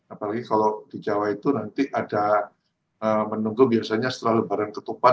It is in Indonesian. apalagi kalau di jawa itu nanti ada menunggu biasanya setelah lebaran ketupat